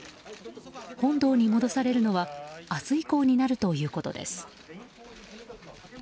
本堂に戻されるのは明日以降になるということです。